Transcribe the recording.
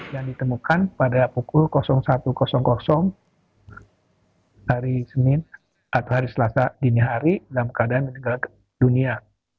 yang ditemukan pada pukul satu hari senin atau hari selasa dini hari dalam keadaan meninggal dunia